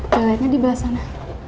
toiletnya dibelas sana